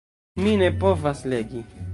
Mi ne povas legi.